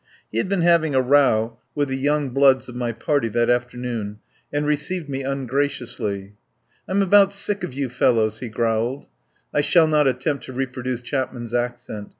He had been having a row with the young ii3 THE POWER HOUSE bloods of my party that afternoon and re ceived me ungraciously. "I'm about sick of you fellows," he growled. (I shall not attempt to reproduce Chapman's accent.